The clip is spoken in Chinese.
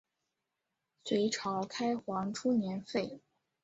隋朝开皇初年废。